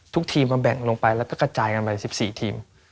ทีมมันแบ่งลงไปแล้วก็กระจายกันไป๑๔ทีม